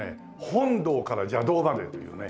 本道から邪道までというね。